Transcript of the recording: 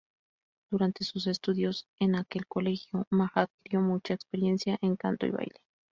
Durante sus estudios en aquel colegio, Maja adquirió mucha experiencia en canto y baile.